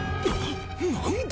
何だ！？